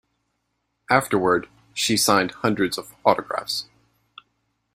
Afterward, she signed hundreds of autographs.